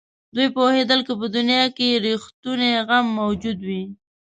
دوی پوهېدل که په دنیا کې رښتونی غم موجود وي.